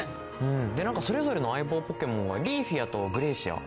でそれぞれの相棒ポケモンがリーフィアとグレイシア。